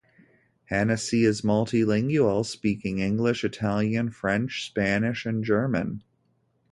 Hennessy is multi-lingual, speaking English, Italian, French, Spanish and German.